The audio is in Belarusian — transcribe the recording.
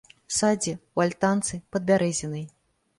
У садзе, у альтанцы, пад бярэзінай.